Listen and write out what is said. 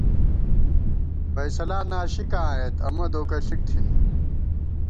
فیصلا ناشِکاں آئېت ، امہ دوکہ ݪِک تھنی